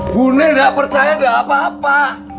bu nek gak percaya gak apa apa